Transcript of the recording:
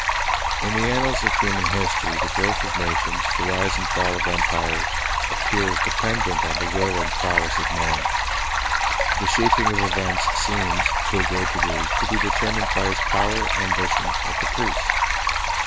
In the annals of human history the growth of nations, the rise and fall of empires, appear as depend ent on the will and prowess of man. The shaping of events seems, to a great degree, to be determined by his power, ambition, or caprice.